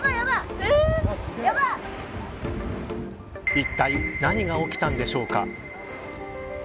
いったい何が起きたんでしょうか。